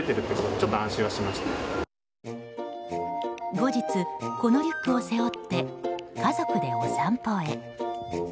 後日、このリュックを背負って家族でお散歩へ。